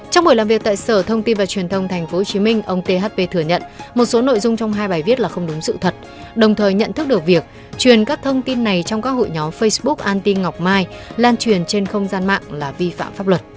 trong buổi làm việc tại sở thông tin và truyền thông tp hcm ông thp thừa nhận một số nội dung trong hai bài viết là không đúng sự thật đồng thời nhận thức được việc truyền các thông tin này trong các hội nhóm facebook anti ngọc mai lan truyền trên không gian mạng là vi phạm pháp luật